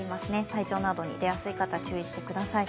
体調などに出やすい方注意してください。